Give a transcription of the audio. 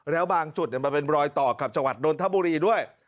แล้วบางจุดมันเป็นรอยต่อกับจังหวัดนทบุรีด้วย